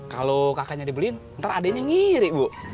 kalo kakaknya dibeliin ntar adeknya ngiri bu